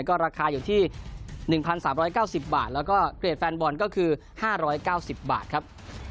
ก็ราคาอยู่ที่๑๓๙๐บาทแล้วก็เกรดแฟนบอลก็คือ๕๙๐บาทครับ